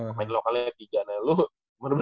pemain lokalnya tiga nah lu